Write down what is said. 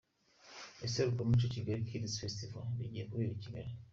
Iserukiramuco Kigali Kids Festival rigiye kubera i Kigali.